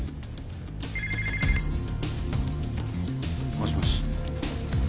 もしもし？